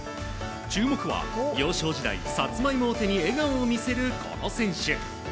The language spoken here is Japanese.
注目は幼少時代サツマイモを手に笑顔を見せるこの選手。